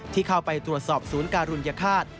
ที่เข้าไปตรวจสอบศูนย์การุญฆาต